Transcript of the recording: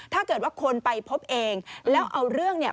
ถ้าเกิดว่าคนไปพบเองแล้วเอาเรื่องเนี่ย